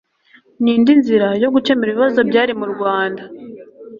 n'indi nzira yo gukemura ibibazo byari mu Rwanda